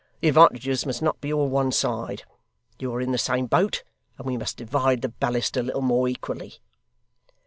The advantages must not be all one side. You are in the same boat, and we must divide the ballast a little more equally.